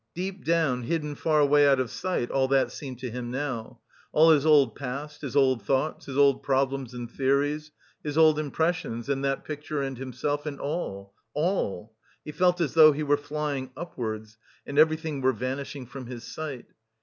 Deep down, hidden far away out of sight all that seemed to him now all his old past, his old thoughts, his old problems and theories, his old impressions and that picture and himself and all, all.... He felt as though he were flying upwards, and everything were vanishing from his sight.